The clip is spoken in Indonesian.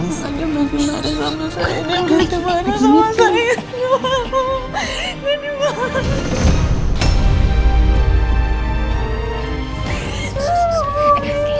nanti masih marah sama saya